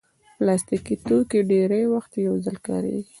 پلاستيکي توکي ډېری وخت یو ځل کارېږي.